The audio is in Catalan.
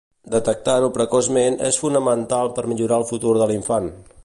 Detectar-ho precoçment és fonamental per millorar el futur de l'infant.